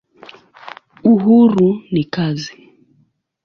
Uhuru ni kazi.